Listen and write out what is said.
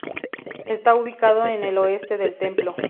Está ubicado en el oeste del templo.